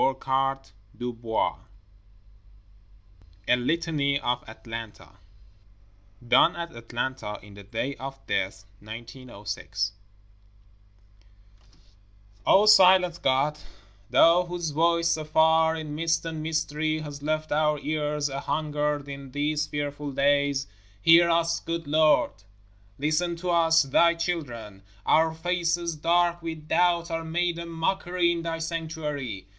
E. Burghardt Du Bois A LITANY OF ATLANTA Done at Atlanta, in the Day of Death, 1906 O Silent God, Thou whose voice afar in mist and mystery hath left our ears an hungered in these fearful days Hear us, good Lord! Listen to us, Thy children: our faces dark with doubt are made a mockery in Thy sanctuary.